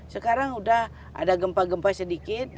sekarang sudah ada gempa gempa sedikit